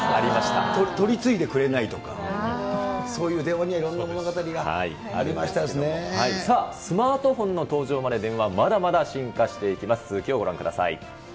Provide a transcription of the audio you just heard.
取り次いでくれないとか、そういう電話にはいろんな物語がありまさあ、スマートフォンの登場まで電話、まだまだ進化していきます。